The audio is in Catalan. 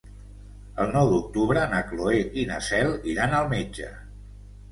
El nou d'octubre na Cloè i na Cel iran al metge.